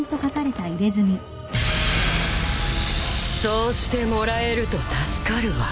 そうしてもらえると助かるわ。